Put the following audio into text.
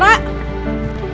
biar dia tenang